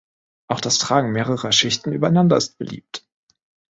Auch das Tragen mehrerer Schichten übereinander ist beliebt.